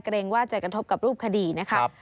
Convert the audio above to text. เกรงว่าจะกระทบกับรูปคดีนะครับ